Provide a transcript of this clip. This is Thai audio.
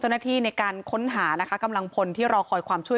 เจ้าหน้าที่ในการค้นหานะคะกำลังพลที่รอคอยความช่วย